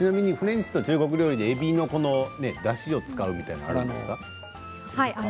フレンチと中国料理でえびのだしを使うということはありますか。